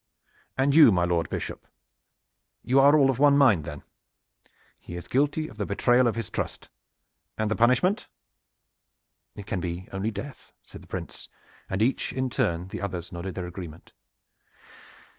And you, my Lord Bishop? You are all of one mind, then. He is guilty of the betrayal of his trust. And the punishment?" "It can only be death," said the Prince, and each in turn the others nodded their agreement.